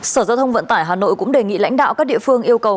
sở giao thông vận tải hà nội cũng đề nghị lãnh đạo các địa phương yêu cầu